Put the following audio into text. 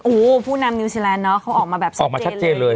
โอ้โหผู้นำนิวซีแลนดเนอะเขาออกมาแบบนี้ออกมาชัดเจนเลย